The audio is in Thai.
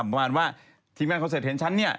ประมาณว่าทีมงานคอนเสิร์ตเห็นฉันเนี่ย